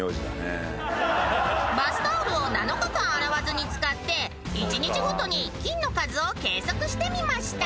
［バスタオルを７日間洗わずに使って１日ごとに菌の数を計測してみました］